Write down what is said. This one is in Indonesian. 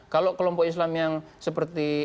kalau kelompok islam yang seperti